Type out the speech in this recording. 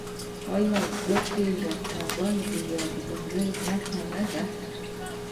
آیا د ګوتې ورکول د یادګار نښه نه ده؟